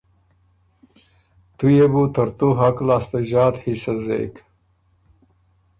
تُو يې بُو ترتُو حق لاسته ݫات حصه زېک،